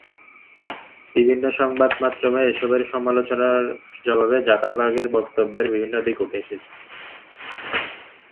বিভিন্ন সংবাদমাধ্যমে এসব সমালোচনার জবাবে জাকারবার্গের বক্তব্যের বিভিন্ন দিক উঠে এসেছে।